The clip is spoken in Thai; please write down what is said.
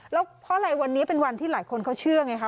แล้วเพราะอะไรวันนี้เป็นวันที่หลายคนเขาเชื่อไงคะ